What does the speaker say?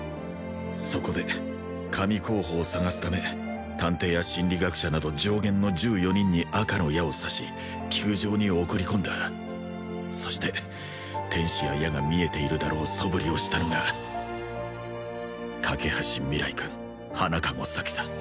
そこで神候補を探すため探偵や心理学者など上限の１４人に赤の矢を刺し球場に送り込んだそして天使や矢が見えているだろうそぶりをしたのが架橋明日君花籠咲さん